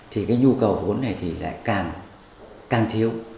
thì nhu cầu vốn này lại càng thiếu